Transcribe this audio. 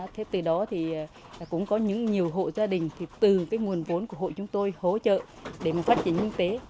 thế từ đó thì cũng có những nhiều hộ gia đình thì từ cái nguồn vốn của hội chúng tôi hỗ trợ để mà phát triển kinh tế